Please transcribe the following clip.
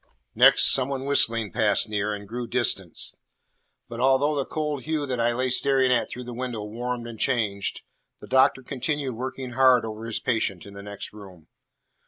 Next, some one whistling passed near and grew distant. But although the cold hue that I lay staring at through the window warmed and changed, the Doctor continued working hard over his patient in the next room.